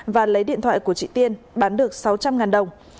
và lấy điện thoại của chị tiên bán được sáu trăm linh đồng